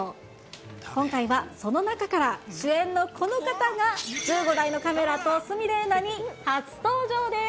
今回はその中から、主演のこの方が１５台のカメラと鷲見玲奈に初登場です。